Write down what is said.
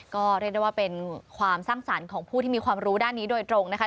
ก็เรียกได้ว่าเป็นความสร้างสรรค์ของผู้ที่มีความรู้ด้านนี้โดยตรงนะคะ